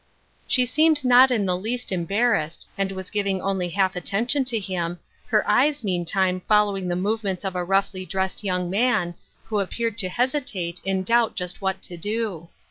She seemed not in the least embarrassed, and was giving only half attention to him, her eyes, meantime, following the movements of a roughly dressed young man, who appeared to hesitate, in doubt just what to do.